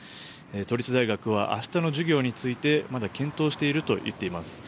都立大学は明日の授業についてまだ検討していると言っています。